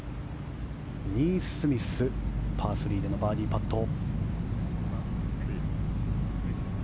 ニースミスパー３でのバーディーパット。